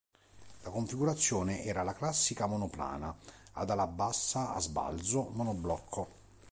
La configurazione era la classica monoplana ad ala bassa a sbalzo, monoblocco.